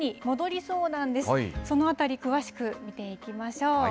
そのあたり、詳しく見ていきましょう。